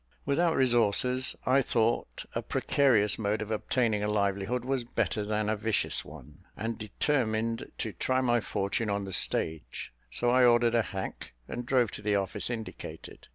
"Without resources, I thought a precarious mode of obtaining a livelihood was better than a vicious one, and determined to try my fortune on the stage: so I ordered a hack, and drove to the office indicated.